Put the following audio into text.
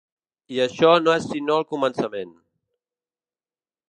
I això no és sinó el començament.